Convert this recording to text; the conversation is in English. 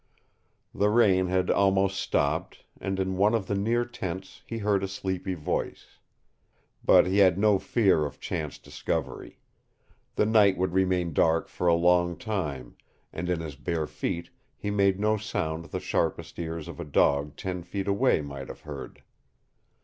The rain had almost stopped, and in one of the near tents he heard a sleepy voice. But he had no fear of chance discovery. The night would remain dark for a long time, and in his bare feet he made no sound the sharpest ears of a dog ten feet away might have heard.